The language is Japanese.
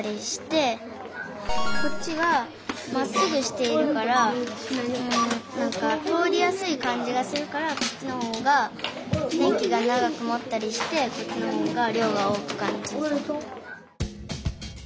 こっちはまっすぐしているからなんか通りやすい感じがするからこっちのほうが電気が長くもったりしてこっちのほうがりょうが大きく感じると。